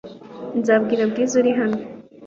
Nzabwira Bwiza uri hano .